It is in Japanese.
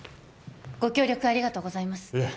ご協力ありがとうございますいえ